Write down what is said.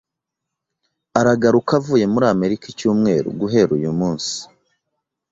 Aragaruka avuye muri Amerika icyumweru guhera uyu munsi